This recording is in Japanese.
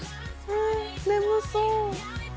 え眠そう。